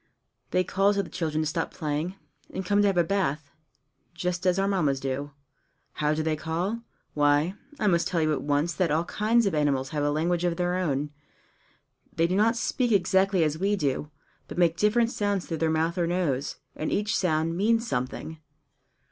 They call to the children to stop playing, and come and have a bath just as our Mammas do. How do they call? Why, I must tell you at once that all kinds of animals have a language of their own. They do not speak exactly as we do, but make different sounds through their mouth or nose, and each sound means something.